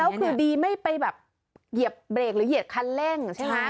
แล้วคือดีไม่ไปแบบเหยียบเบรกหรือเหยียบคันเร่งใช่ไหม